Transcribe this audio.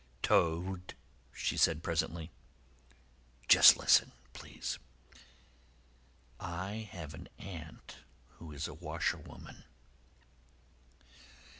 "Toad," she said presently, "just listen, please. I have an aunt who is a washerwoman."